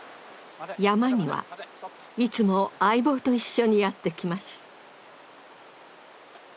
山にはいつも相棒と一緒にやって来ます。